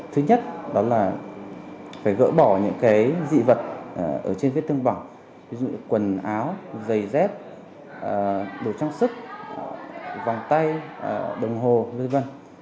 thứ nhất đó là phải gỡ bỏ những dị vật ở trên viết thương bỏng ví dụ quần áo giày dép đồ trang sức vòng tay đồng hồ v v